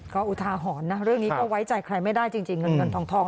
ก็อุทาหรณ์นะเรื่องนี้ก็ไว้ใจใครไม่ได้จริงเงินเงินทอง